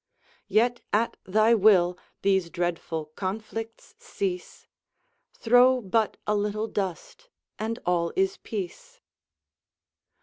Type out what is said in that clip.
"Yet at thy will these dreadful conflicts cease, Throw but a little dust and all is peace."